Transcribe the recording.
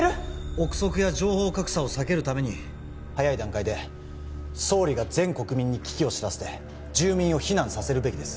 臆測や情報格差を避けるために早い段階で総理が全国民に危機を知らせて住民を避難させるべきです